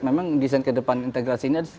memang desain kedepan integrasinya